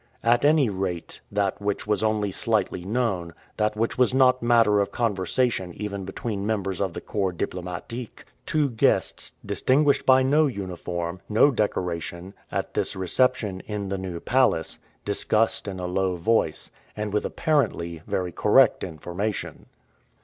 At any rate, that which was only slightly known, that which was not matter of conversation even between members of the corps diplomatique, two guests, distinguished by no uniform, no decoration, at this reception in the New Palace, discussed in a low voice, and with apparently very correct information.